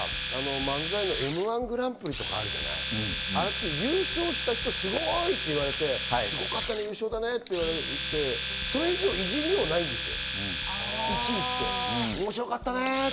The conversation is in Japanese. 例えば漫才のМ‐１グランプリとかあるじゃない、あれって優勝した人、スゴイ！って言われて、すごかったね、優勝だねって、それ以上、いじりようないんですよ。